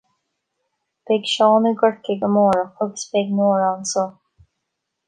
beidh Seán i gCorcaigh amárach, agus beidh Nóra anseo